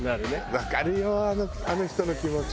わかるよあの人の気持ち。